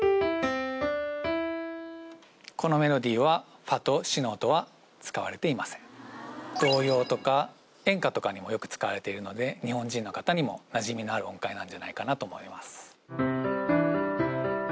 このメロディはファとシの音は使われていません童謡とか演歌とかにもよく使われているので日本人の方にもなじみのある音階なんじゃないかなと思います